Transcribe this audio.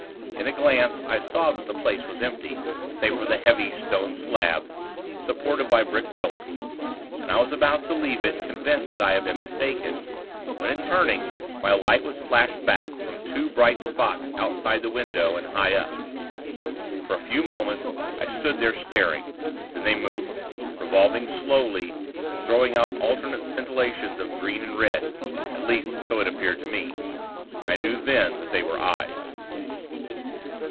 In a glance, I saw that the place was empty, save for the heavy, stone slabs, supported by brick pillars; and I was about to leave it, convinced that I had been mistaken; when, in turning, my light was flashed back from two bright spots outside the window, and high up. For a few moments, I stood there, staring. Then they moved revolving slowly, and throwing out alternate scintillations of green and red; at least, so it appeared to me. I knew then that they were eyes.